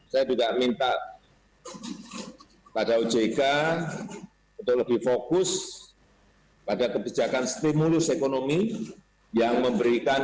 saya juga minta pada ojk untuk lebih fokus pada kebijakan stimulus ekonomi yang memberikan